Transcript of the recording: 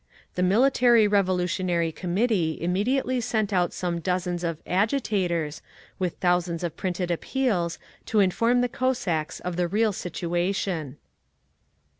The Military Revolutionary Committee immediately sent out some dozens of "agitators," with thousands of printed appeals, to inform the Cossacks of the real situation….